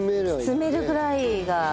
包めるぐらいが。